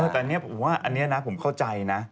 แต่เนี่ยผมว่าอันเนี้ยนะผมเข้าใจนะ